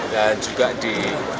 dan juga di